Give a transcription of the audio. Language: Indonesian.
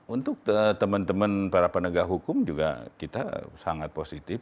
untuk teman teman para penegak hukum juga kita sangat positif